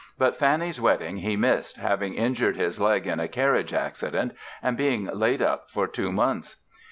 But Fanny's wedding he missed, having injured his leg in a carriage accident and being laid up for two months.